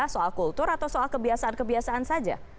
soal kultur atau soal kebiasaan kebiasaan saja